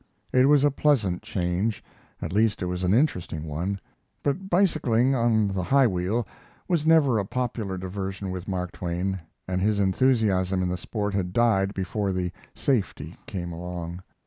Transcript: It was a pleasant change, at least it was an interesting one; but bicycling on the high wheel was never a popular diversion with Mark Twain, and his enthusiasm in the sport had died before the "safety" came along.